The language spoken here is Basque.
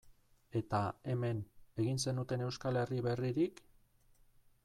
Eta, hemen, egin zenuten Euskal Herri berririk?